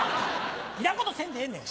いらんことせんでええねん。